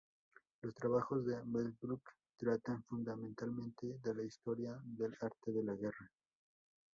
Los trabajos de Delbrück tratan fundamentalmente de la Historia del arte de la guerra.